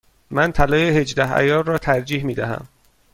من طلای هجده عیار را ترجیح می دهم.